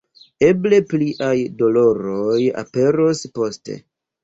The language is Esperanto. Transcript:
Eble pliaj doloroj aperos poste.